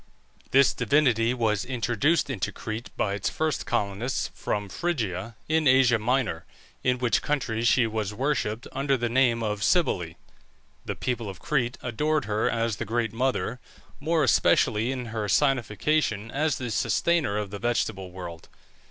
This divinity was introduced into Crete by its first colonists from Phrygia, in Asia Minor, in which country she was worshipped under the name of Cybele. The people of Crete adored her as the Great Mother, more especially in her signification as the sustainer of the vegetable world.